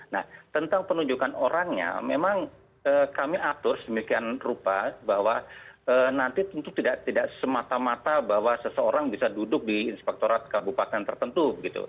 nah tentang penunjukan orangnya memang kami atur sedemikian rupa bahwa nanti tentu tidak semata mata bahwa seseorang bisa duduk di inspektorat kabupaten tertentu